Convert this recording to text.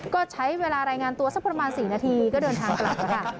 ก็ใช้เวลารายงานตัวสักประมาณ๔นาทีก็เดินทางกลับค่ะ